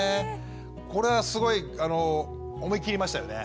これはすごい思い切りましたよね。